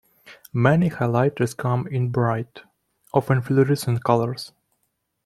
Many highlighters come in bright, often fluorescent colours.